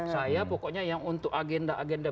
saya pokoknya yang untuk agenda agenda